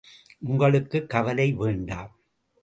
உங்களுக்குக் கவலை வேண்டாம்.